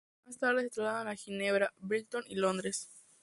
Más tarde se traslada a Ginebra, Brighton y Londres.